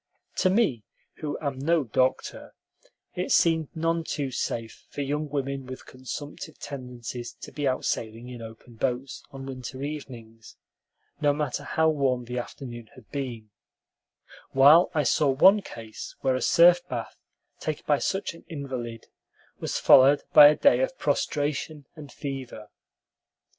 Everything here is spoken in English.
To me, who am no doctor, it seemed none too safe for young women with consumptive tendencies to be out sailing in open boats on winter evenings, no matter how warm the afternoon had been, while I saw one case where a surf bath taken by such an invalid was followed by a day of prostration and fever.